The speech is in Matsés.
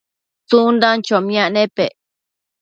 tsundan chomiac nepec